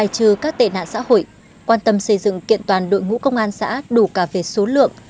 trừ các tệ nạn xã hội quan tâm xây dựng kiện toàn đội ngũ công an xã đủ cả về số lượng